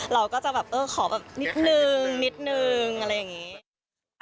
เราก็จะแบบเออขอแบบนิดนึงนิดนึงอะไรอย่างนี้